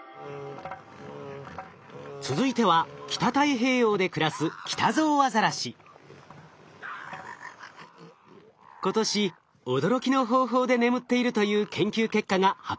続いては北太平洋で暮らす今年驚きの方法で眠っているという研究結果が発表されました。